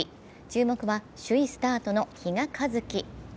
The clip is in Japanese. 注目は首位スタートの比嘉一貴。